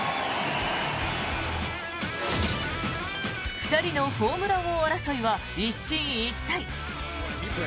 ２人のホームラン王争いは一進一退。